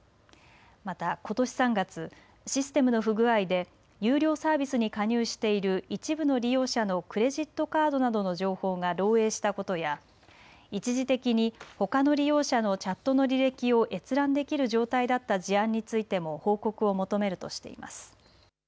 またことし３月、システムの不具合で有料サービスに加入している一部の利用者のクレジットカードなどの情報が漏えいしたことや一時的にほかの利用者のチャットの履歴を閲覧できる状態だった事案についても報告を求めるとしています。